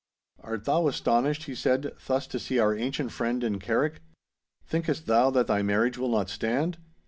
'Art thou astonished,' he said, 'thus to see our ancient friend in Carrick? Thinkest thou that thy marriage will not stand?